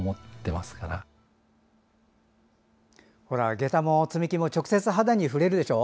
げたも積み木も直接肌に触れるでしょ。